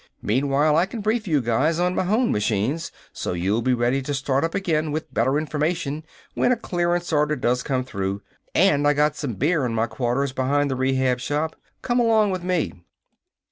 Meanwhile, I can brief you guys on Mahon machines so you'll be ready to start up again with better information when a clearance order does come through. And I got some beer in my quarters behind the Rehab Shop. Come along with me!"